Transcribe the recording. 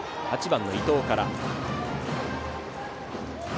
８番の伊藤から。